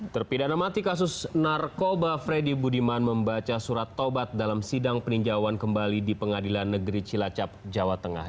terpidana mati kasus narkoba freddy budiman membaca surat taubat dalam sidang peninjauan kembali di pengadilan negeri cilacap jawa tengah